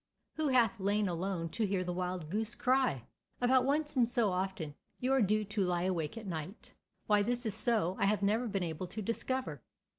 "Who hath lain alone to hear the wild goose cry?" ABOUT once in so often you are due to lie awake at night. Why this is so I have never been able to discover.